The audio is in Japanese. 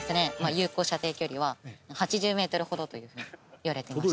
有効射程距離は８０メートルほどというふうにいわれていまして。